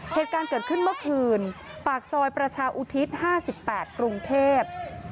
เหตุการณ์เกิดขึ้นเมื่อคืนปากซอยประชาอุทิศ๕๘กรุงเทพ